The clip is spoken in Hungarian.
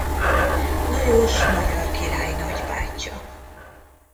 Lajos magyar király nagybátyja.